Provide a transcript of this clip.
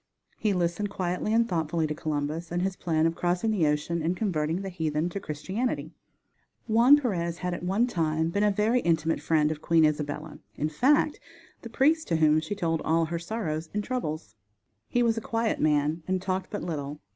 He listened quietly and thoughtfully to Columbus and his plan of crossing the ocean and converting the heathen to Christianity. Juan Perez had at one time been a very intimate friend of Queen Isabella; in fact, the priest to whom she told all her sorrows and troubles. He was a quiet man and talked but little.